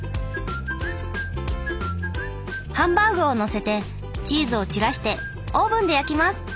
ハンバーグをのせてチーズを散らしてオーブンで焼きます。